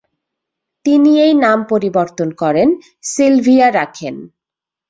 তিনি এই নাম পরিবর্তন করেন সিলিভিয়া রাখেন।